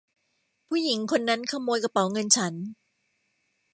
ผู้หญิงคนนั้นขโมยกระเป๋าเงินฉัน !